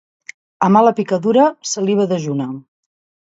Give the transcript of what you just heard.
A mala picadura, saliva dejuna.